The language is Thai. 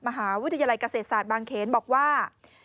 มหาวิทยาลัยเกษตรศาสตร์บางเขนบอกว่า